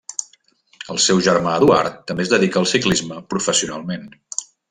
El seu germà Eduard també es dedica al ciclisme professionalment.